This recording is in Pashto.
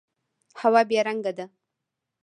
هوا بې رنګه ده.